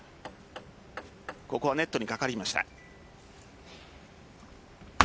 ここ、ネットにかかりました。